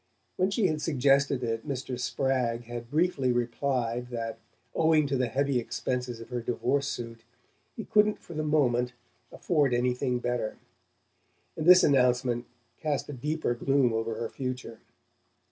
When she had suggested it Mr. Spragg had briefly replied that, owing to the heavy expenses of her divorce suit, he couldn't for the moment afford anything better; and this announcement cast a deeper gloom over the future.